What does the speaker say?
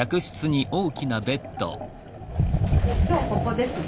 今日ここですね。